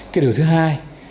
cái điều thứ hai